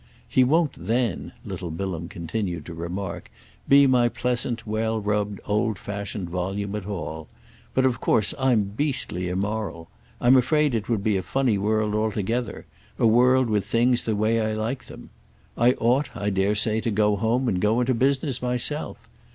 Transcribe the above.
He won't then," little Bilham continued to remark, "be my pleasant well rubbed old fashioned volume at all. But of course I'm beastly immoral. I'm afraid it would be a funny world altogether—a world with things the way I like them. I ought, I dare say, to go home and go into business myself.